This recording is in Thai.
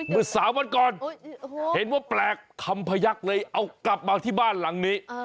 เมื่อ๓วันก่อนเห็นว่าแปลกคำพยักษ์เลยเอากลับมาที่บ้านหลังนี้